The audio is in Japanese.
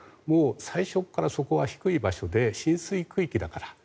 最初からそこが低い場所で浸水区域だから。